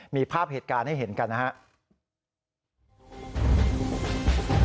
มีภาพเหตุการณ์ให้เห็นกันนะครับ